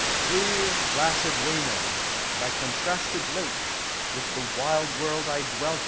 Clear, placid Leman! thy contrasted lake, With the wild world 1 dwell